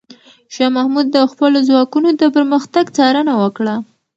شاه محمود د خپلو ځواکونو د پرمختګ څارنه وکړه.